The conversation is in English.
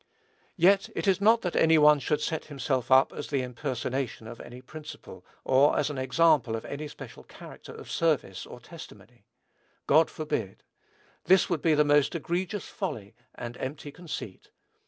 Yet it is not that any one should set himself up as the impersonation of any principle, or as an example of any special character of service or testimony. God forbid. This would be the most egregious folly and empty conceit.